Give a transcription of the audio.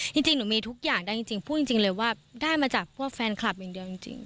จริงหนูมีทุกอย่างได้จริงพูดจริงเลยว่าได้มาจากพวกแฟนคลับอย่างเดียวจริง